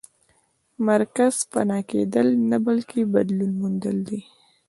مرګ فنا کېدل نه بلکې بدلون موندل دي